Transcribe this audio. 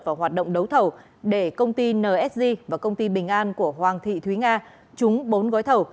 vào hoạt động đấu thầu để công ty nsg và công ty bình an của hoàng thị thúy nga trúng bốn gói thầu